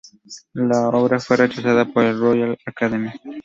La obra fue rechazada por la Royal Academy.